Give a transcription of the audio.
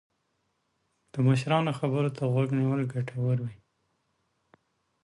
د مشرانو خبرو ته غوږ نیول ګټور وي.